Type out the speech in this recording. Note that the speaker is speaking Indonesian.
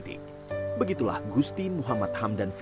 pengangguran yang diberikan oleh tni pri